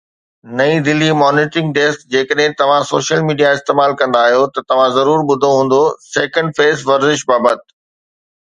نئين Delhi monitoring desk جيڪڏهن توهان سوشل ميڊيا استعمال ڪندا آهيو ته توهان ضرور ٻڌو هوندو سيڪنڊ فيس ورزش بابت